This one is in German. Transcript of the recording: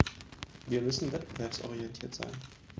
Wir müssen wettbewerbsorientiert sein.